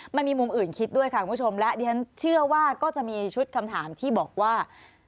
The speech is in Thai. มันมีมุมอื่นคิดด้วยค่ะคุณผู้ชมและดิฉันเชื่อว่าก็จะมีชุดคำถามที่บอกว่า